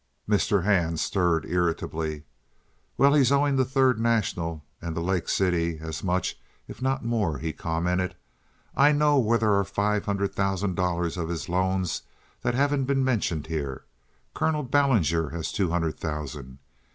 Mr. Hand stirred irritably. "Well, he's owing the Third National and the Lake City as much if not more," he commented. "I know where there are five hundred thousand dollars of his loans that haven't been mentioned here. Colonel Ballinger has two hundred thousand.